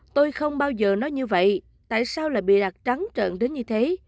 tôi không bao giờ nói như vậy tại sao lại bị đặt trắng trợn đến như thế